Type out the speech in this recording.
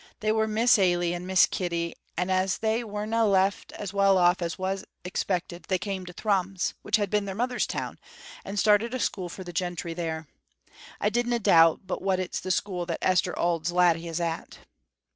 They were Miss Ailie and Miss Kitty, and as they werena left as well off as was expected they came to Thrums, which had been their mother's town, and started a school for the gentry there. I dinna doubt but what it's the school that Esther Auld's laddie is at.